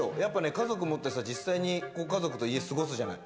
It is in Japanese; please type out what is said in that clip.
家族持ってさ、実際に、家族と家で過ごすじゃない。